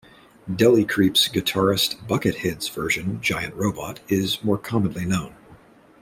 Deli Creeps guitarist Buckethead's version "Giant Robot" is more commonly known.